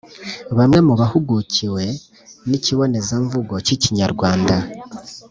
Bamwe mu bahugukiwe n’ikibonezamvugo k’Ikinyarwanda